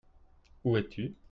Où es-tu ?